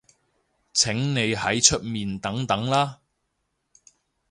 請你喺出面等等啦